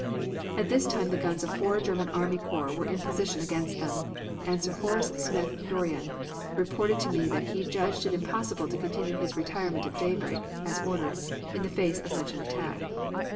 "At this time the guns of four German army corps were in position against them, and Sir Horace Smith Dorrien reported to me that he judged it impossible to continue his retirement at daybreak (as ordered) in face of such an attack.